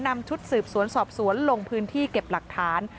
นำชุดสืบสวนสอบสวนลงพื้นที่เก็บหลักฐาน